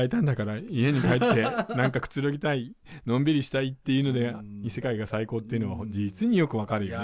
家に帰って何かくつろぎたいのんびりしたいっていうので異世界が最高っていうのは実によく分かるよね。